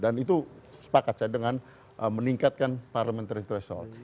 dan itu sepakat saya dengan meningkatkan parliamentary threshold